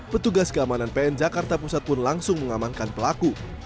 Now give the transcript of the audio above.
petugas keamanan pn jakarta pusat pun langsung mengamankan pelaku